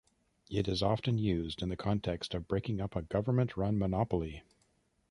It is often used in the context of breaking up a government-run monopoly.